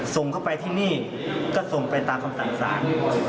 ส่งเข้าไปที่นี่ก็ส่งไปตามคำสั่งสาร